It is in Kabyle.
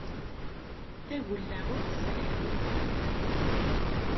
Tagella ur tt-sɛiɣ.